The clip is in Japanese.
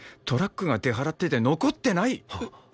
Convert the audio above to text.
トラックが出払ってて残ってない？